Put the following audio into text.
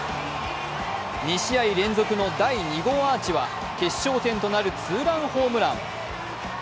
２試合連続の第２号アーチは決勝点となるツーランホームラン。